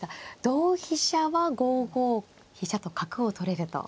同飛車は５五飛車と角を取れると。